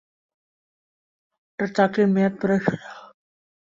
তাঁর চাকরির মেয়াদ প্রায় শেষ।